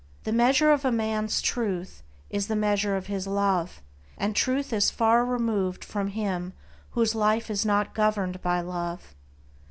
The measure of a man's truth is the measure of his love, and Truth is far removed from him whose life is not governed by Love.